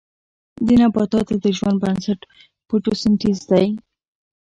د نباتاتو د ژوند بنسټ د فوتوسنتیز دی